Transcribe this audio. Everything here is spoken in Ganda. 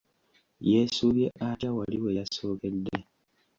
Yeesubye atya wali we yasookedde?